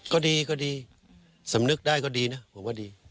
ก็ดีก็ดีสำนึกได้ก็ดีนะผมว่าดี